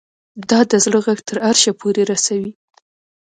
دا د زړه غږ تر عرشه پورې رسوي